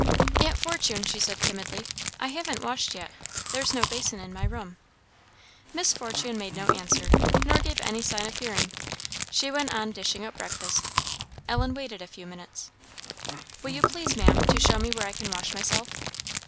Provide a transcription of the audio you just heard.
"Aunt Fortune," she said, timidly, "I haven't washed yet there's no basin in my room." Miss Fortune made no answer, nor gave any sign of hearing; she went on dishing up breakfast. Ellen waited a few minutes. "Will you please, Maam, to show me where I can wash myself."